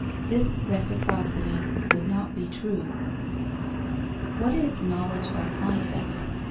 This reciprocity would not be true. What is knowledge by concepts?